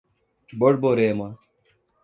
Borborema